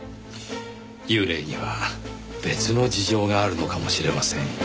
幽霊には別の事情があるのかもしれませんよ。